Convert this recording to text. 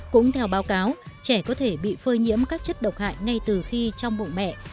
cũng theo báo cáo trẻ có thể bị phơi nhiễm các chất độc hại ngay từ khi trong bụng mẹ